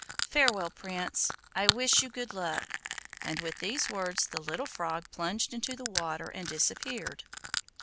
Farewell, Prince; I wish you good luck,' and with these words the Little Frog plunged into the water and disappeared.